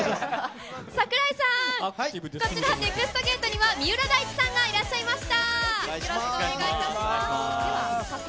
櫻井さーん、こちらＮＥＸＴゲートには、三浦大知さんがいらっしゃいました。